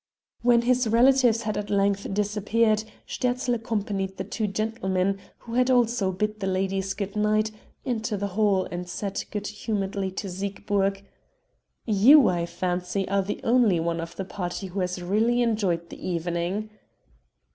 When his relatives had at length disappeared Sterzl accompanied the two gentlemen, who had also bid the ladies good night, into the hall, and said good humoredly to Siegburg: "You, I fancy, are the only one of the party who has really enjoyed the evening."